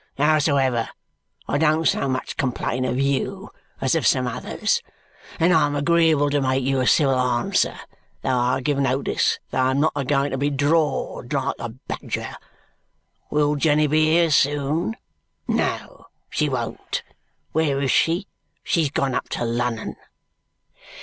Howsoever, I don't so much complain of you as of some others, and I'm agreeable to make you a civil answer, though I give notice that I'm not a going to be drawed like a badger. Will Jenny be here soon? No she won't. Where is she? She's gone up to Lunnun."